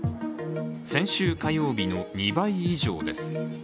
先週火曜日の２倍以上です。